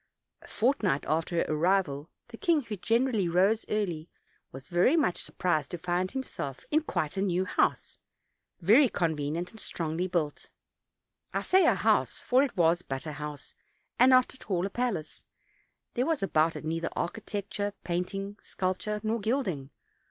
A fortnight after her arrival the king, who generally rose early, was very much surprised to find himself in quite a new house, very convenient and strongly built: I say a house; for it was but a house, and not at all a palace; there was about it neither architec ture, painting, sculpture, nor gilding.